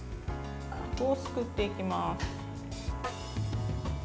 あくをすくっていきます。